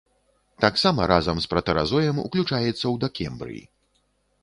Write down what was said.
Таксама разам з пратэразоем уключаецца ў дакембрый.